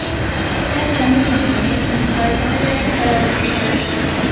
Fue entonces cuando la ciudad comenzó a desarrollarse fuera de la fortaleza.